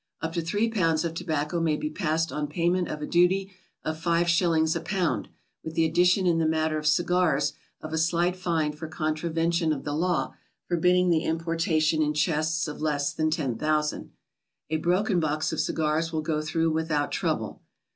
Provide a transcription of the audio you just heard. Up to three pounds of tobacco may be passed on payment of a duty of five shillings a pound, with the addi tion in the matter of cigars of a slight fine for contravention of the law forbidding the importation in chests of less than 10,000. A broken box of cigars will go through without trouble.